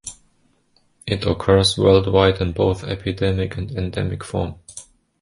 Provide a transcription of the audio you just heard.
It occurs worldwide in both epidemic and endemic form.